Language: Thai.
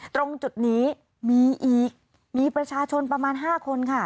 ตรงจุดนี้มีอีกมีประชาชนประมาณ๕คนค่ะ